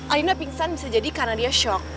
ayuna pingsan bisa jadi karena dia shock